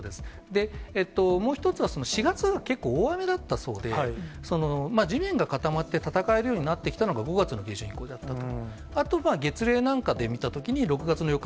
で、もう一つは、４月が結構大雨だったそうで、地面が固まって戦えるようになってきたのが５月の下旬以降だったと。